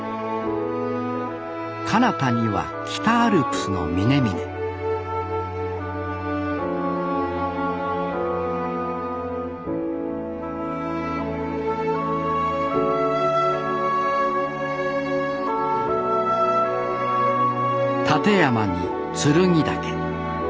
かなたには北アルプスの峰々立山に剱岳。